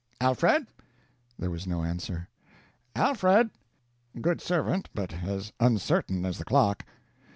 Alfred!" There was no answer. "Alfred!... Good servant, but as uncertain as the clock."